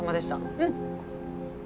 うん。